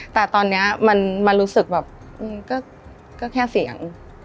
แต่ตอนนี้มันรู้สึกแบบก็แค่เสียง